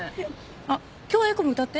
あっ今日は英子も歌って。